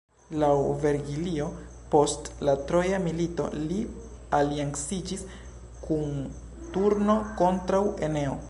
Laŭ Vergilio, post la Troja milito li alianciĝis kun Turno kontraŭ Eneo.